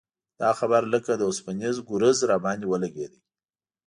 دا خبره لکه د اوسپنیز ګرز راباندې ولګېده.